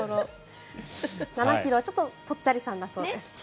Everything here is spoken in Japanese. ７ｋｇはちょっとぽっちゃりさんだそうです。